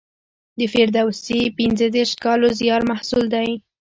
د فردوسي پنځه دېرش کالو زیار محصول دی.